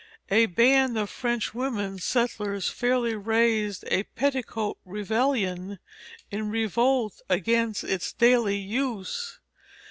A band of French women settlers fairly raised a "petticoat rebellion" in revolt against its daily use.